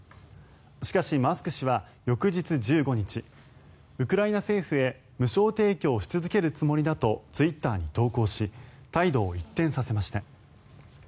しかし、マスク氏は翌日１５日ウクライナ政府へ無償提供し続けるつもりだとツイッターに投稿し態度を一転させました。